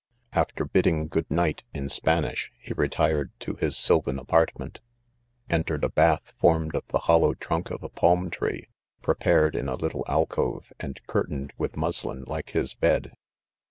After bidding' good night in Spanish, he retired to his sylvan apartment ; en tered a bath formed of the hollow trunk of a palm tree, prepared in a little alcove, and curtained wltii muslin like his bed.